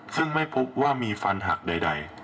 ซึ่งไม่พบว่ามีฟันหักใด